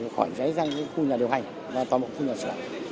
khỏi cháy sang khu nhà điều hành và toàn bộ khu nhà sửa